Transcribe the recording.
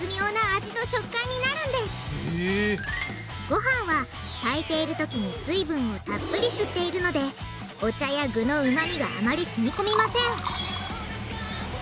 ごはんは炊いているときに水分をたっぷり吸っているのでお茶や具のうまみがあまりしみこみません